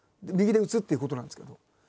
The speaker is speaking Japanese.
右で打つ？っていうことなんですけど。